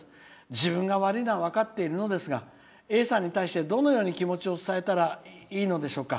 自分が悪いのは分かっているのですがＡさんに対してどのように気持ちを伝えたらいいのでしょうか。